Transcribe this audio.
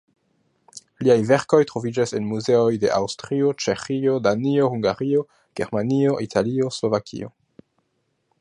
Liaj verkoj troviĝas en muzeoj de Aŭstrio, Ĉeĥio, Danio, Hungario, Germanio, Italio, Slovakio.